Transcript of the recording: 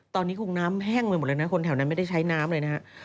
ตอนนี้คงน้ำแห้งไปหมดเลยนะคนแถวนั้นไม่ได้ใช้น้ำเลยนะครับ